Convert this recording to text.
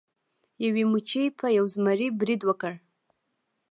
یوې مچۍ په یو زمري برید وکړ.